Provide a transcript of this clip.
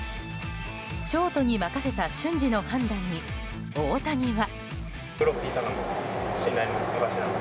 ショートに任せた瞬時の判断に大谷は。